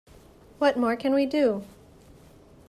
What more can we do?